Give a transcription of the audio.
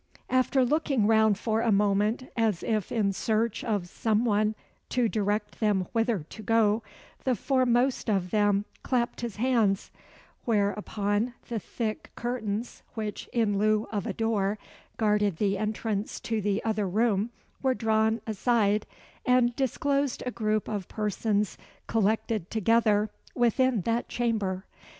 After looking round for a moment, as if in search of some one to direct them whither to go, the foremost of them clapped his hands, whereupon the thick curtains which, in lieu of a door, guarded the entrance to the other room, were drawn aside, and disclosed a group of persons collected together within that chamber.